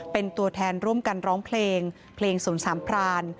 เป็นตัวแทนร่วมกันร้องเพลงเพลงสนสามพราน